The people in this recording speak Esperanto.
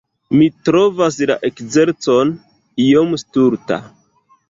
Mi trovas la ekzercon iom stulta.